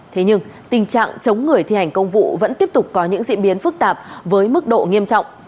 thế nhưng tình trạng chống người thi hành công vụ vẫn tiếp tục có những diễn biến phức tạp với mức độ nghiêm trọng